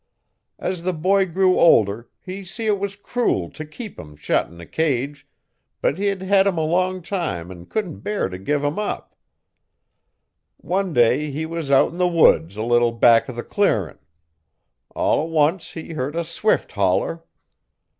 As the boy grew older he see it was cruel to keep 'em shet in a cage, but he'd hed em a long time an' couldn't bear t' give 'em up. 'One day he was out in the woods a little back o' the clearin'. All t' once he heard a swift holler.